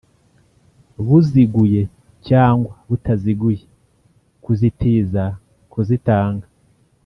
buziguye cyangwa butaziguye kuzitiza kuzitanga